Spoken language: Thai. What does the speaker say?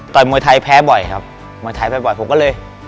มวยไทยแพ้บ่อยครับมวยไทยบ่อยผมก็เลย